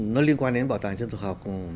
nó liên quan đến bảo tàng dân tộc học